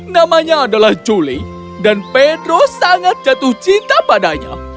namanya adalah juli dan pedro sangat jatuh cinta padanya